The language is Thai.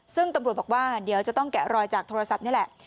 ซึ่งตำรวจบอกว่าเดี๋ยวจะต้องแกะรอยจากโทรศัพท์นี่แหละ